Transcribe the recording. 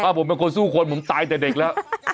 ผมเป็นคนสู้คนผมตายแต่เด็กแล้ว